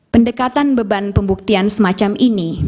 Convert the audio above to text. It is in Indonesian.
pendekatan beban pembuktian semacam ini